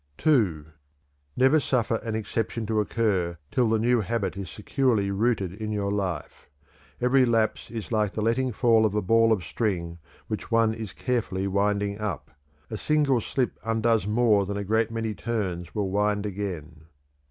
_ II. "Never suffer an exception to occur till the new habit is securely rooted in your life. Every lapse is like the letting fall of a ball of string which one is carefully winding up a single slip undoes more than a great many turns will wind again."